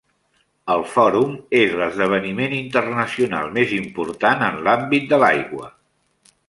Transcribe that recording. El Fòrum és l'esdeveniment internacional més important en l'àmbit de l'aigua.